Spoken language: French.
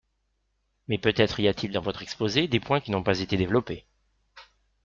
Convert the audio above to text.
Mais peut-être y a-t-il dans votre exposé des points qui n’ont pas été développés.